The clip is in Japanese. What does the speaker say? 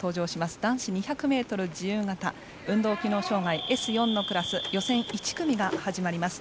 男子２００ｍの自由形運動機能障がいＳ４のクラス予選１組が始まります。